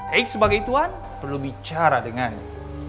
eik sebagai tuhan perlu bicara dengannya